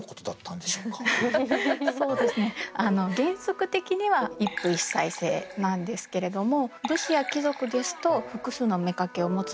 そうですねあの原則的には一夫一妻制なんですけれども武士や貴族ですと複数の妾を持つ場合もありました。